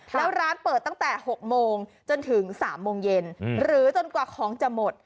แล้วร้านเปิดตั้งแต่๖โมงจนถึง๓โมงเย็นหรือจนกว่าของจะหมด